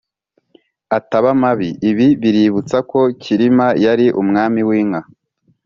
ataba mabi. Ibi biributsa ko Cyilima yari umwami w’inka.